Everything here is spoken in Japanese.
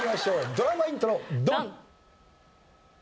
ドラマイントロドン！